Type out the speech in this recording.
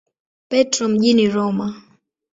Petro mjini Roma.